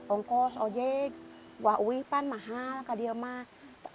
ongkos ojek buah ui mahal dedeh mak